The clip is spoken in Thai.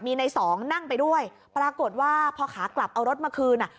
มีในสองนั่งไปด้วยปรากฏว่าพอขากลับเอารถมาคืนอ่ะ